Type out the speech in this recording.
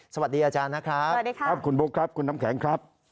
สวัสดีอาจารย์นะครับสวัสดีครับคุณบุ๊คครับคุณน้ำแข็งครับ